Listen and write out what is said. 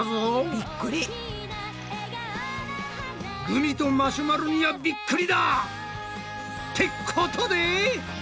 グミとマシュマロにはびっくりだ！ってことで！